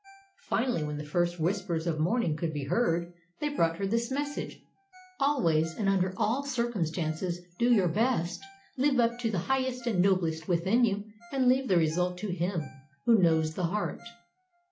Finally, when the first whispers of morning could be heard, they brought her this message: 'Always and under all circumstances do your best. Live up to the highest and noblest within you and leave the result to Him who knows the heart.